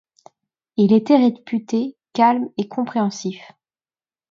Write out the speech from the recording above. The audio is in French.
Il était réputé calme et compréhensif.